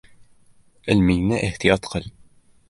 — Ilmingni ehtiyot qil.